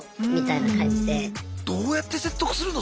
どうやって説得するの？